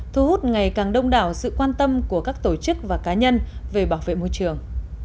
thu hút ngày càng đông đảo sự quan tâm của các tổ chức và cá nhân về bảo vệ môi trường